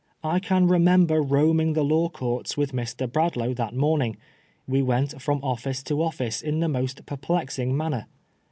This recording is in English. I remember roaming the Law Courts with Mr. Bradlaugh that morning. We went from office to office in the most perplexing manner.